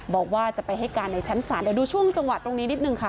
บอกว่าจะไปให้การในชั้นศาลเดี๋ยวดูช่วงจังหวะตรงนี้นิดนึงค่ะ